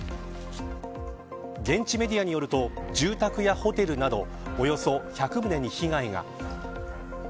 現地メディアによると住宅やホテルなどおよそ１００棟に被害が。